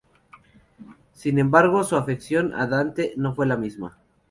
Sin embargo, su afección a Dante no fue la misma.